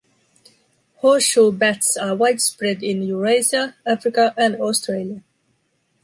Horseshoe bats are widespread in Eurasia, Africa and Australia.